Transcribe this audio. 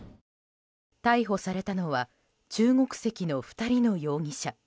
逮捕されたのは中国籍の２人の容疑者。